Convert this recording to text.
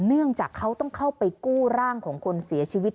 เนื่องจากเขาต้องเข้าไปกู้ร่างของคนเสียชีวิต